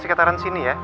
sekitaran sini ya